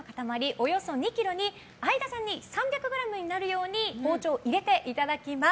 およそ２ｋｇに相田さんに３００ｇになるように包丁を入れていただきます。